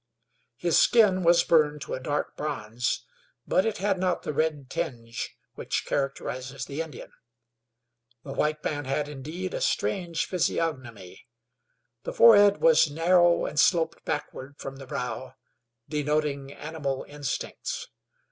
His skin was burned to a dark bronze, but it had not the red tinge which characterizes the Indian. This white man had, indeed, a strange physiognomy. The forehead was narrow and sloped backward from the brow, denoting animal instincts.